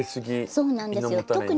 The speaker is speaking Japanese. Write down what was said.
そうなんですよ。